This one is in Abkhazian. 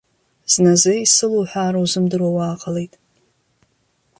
Зназы исылуҳәаара узымдыруа уааҟалеит.